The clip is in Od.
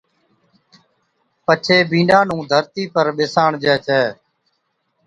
پڇي بِينڏا نُون ڌرتِي پر ٻِساڻجَي ڇَي